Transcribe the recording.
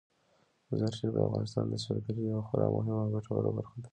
مزارشریف د افغانستان د سیلګرۍ یوه خورا مهمه او ګټوره برخه ده.